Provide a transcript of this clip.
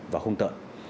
và hung tợn